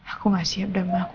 aku gak siap dan aku gak sanggup